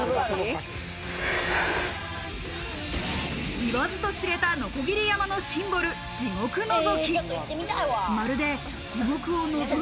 言わずと知れた鋸山のシンボル、地獄のぞき。